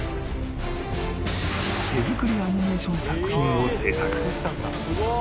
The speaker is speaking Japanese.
［手作りアニメーション作品を制作］